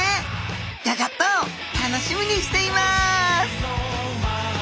ギョギョッと楽しみにしています！